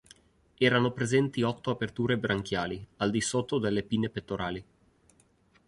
Erano presenti otto aperture branchiali, al di sotto delle pinne pettorali.